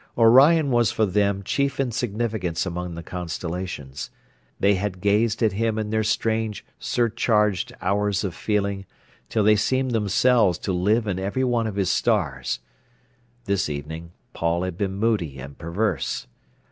Orion was for them chief in significance among the constellations. They had gazed at him in their strange, surcharged hours of feeling, until they seemed themselves to live in every one of his stars. This evening Paul had been moody and perverse.